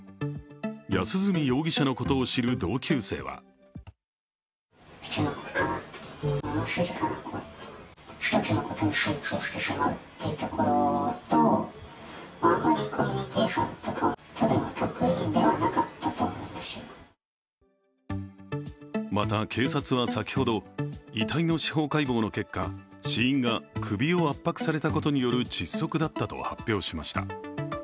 安栖容疑者のことを知る同級生はまた、警察は先ほど、遺体の司法解剖の結果死因は首を圧迫されたことによる窒息だったと発表しました。